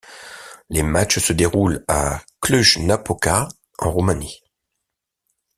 Les matchs se déroulent à Cluj-Napoca en Roumanie.